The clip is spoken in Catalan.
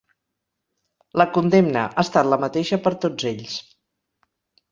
La condemna ha estat la mateixa per tots ells.